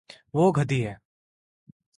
وہ گدی ہے